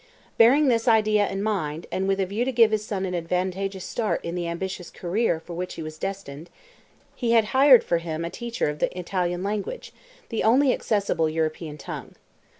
Bearing this idea in mind, and with a view to give his son an advantageous start in the ambitious career for which he was destined, he had hired for him a teacher of the Italian language, the only accessible European tongue.